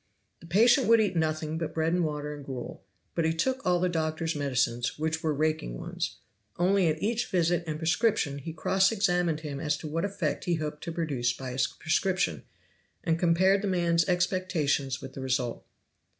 The patient would eat nothing but bread and water and gruel; but he took all the doctor's medicines, which were raking ones; only at each visit and prescription he cross examined him as to what effect he hoped to produce by his prescription, and compared the man's expectations with the result.